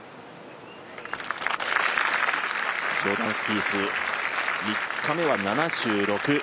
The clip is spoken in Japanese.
ジョーダン・スピース、３日目は７６。